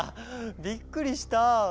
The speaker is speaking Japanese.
びっくりした。